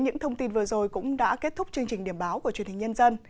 những thông tin vừa rồi cũng đã kết thúc chương trình điểm báo của truyền hình nhân dân